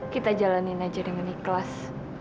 kita jalanin aja dengan ikhlas